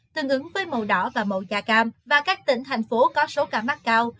tương ứng với màu đỏ và màu da cam và các tỉnh thành phố có số cả mắt cao